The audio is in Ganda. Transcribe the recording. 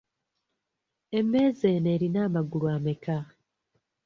Emmeeza eno erina amagulu ameka?